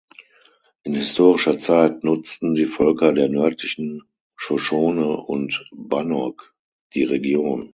In historischer Zeit nutzten die Völker der Nördlichen Shoshone und Bannock die Region.